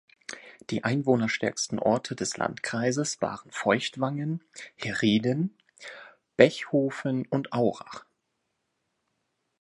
Die einwohnerstärksten Orte des Landkreises waren Feuchtwangen, Herrieden, Bechhofen und Aurach.